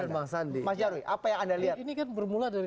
mas nyarwi apa yang anda lihat ini kan bermula dari